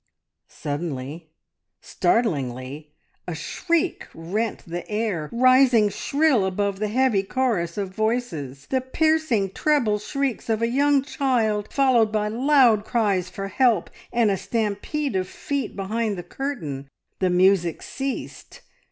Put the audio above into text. Suddenly, startlingly, a shriek rent the air, rising shrill above the heavy chorus of voices the piercing, treble shrieks of a young child, followed by loud cries for help and a stampede of feet behind the curtain. The music ceased.